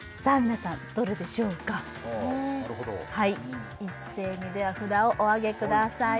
皆さんどれでしょうかはなるほど一斉にでは札をおあげください